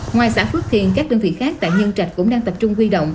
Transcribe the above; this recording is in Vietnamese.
ngoài xã phước thiền các đơn vị khác tại nhân trạch cũng đang tập trung huy động